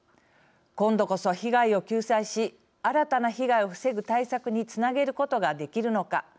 今度こそ被害を救済し新たな被害を防ぐ対策につなげることができるのか。